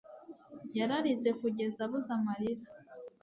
Yararize kugeza abuze amarira